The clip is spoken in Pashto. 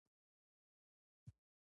هغه د نرم شپه پر مهال د مینې خبرې وکړې.